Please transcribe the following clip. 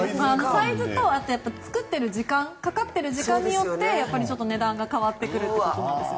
サイズと作っている時間かかっている時間によってちょっと値段が変わるということです。